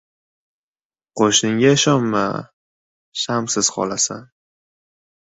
• Qo‘shningga ishonma ― shamsiz qolasan.